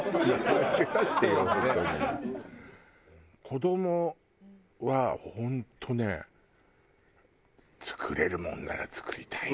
子どもは本当ね作れるもんなら作りたいね。